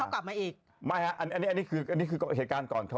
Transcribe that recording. เขากลับมาอีกอันนี้คือเหตุการณ์ก่อน